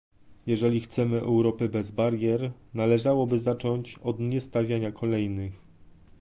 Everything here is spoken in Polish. Jeżeli chcemy Europy bez barier, należałoby zacząć od niestawiania kolejnych